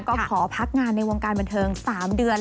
ก็ขอพักงานในวงการบันเทิง๓เดือน